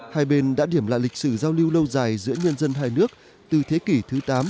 hai bên đã điểm lại lịch sử giao lưu lâu dài giữa nhân dân hai nước từ thế kỷ thứ tám